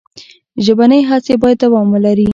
ژبنۍ هڅې باید دوام ولري.